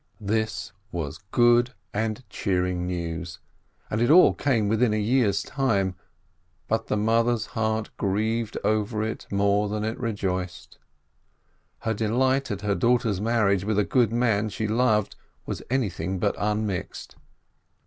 This was good and cheering news, and it all came within a year's time, but the mother's heart grieved over it more than it rejoiced. Her delight at her daughter's marriage with a good man she loved was anything but unmixed.